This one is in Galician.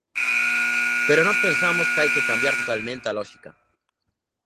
Pero nós pensamos que hai que cambiar totalmente a lóxica.